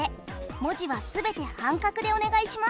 文字は全て半角でお願いします。